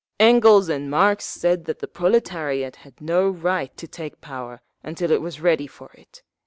"Engels and Marx said that the proletariat had no right to take power until it was ready for it.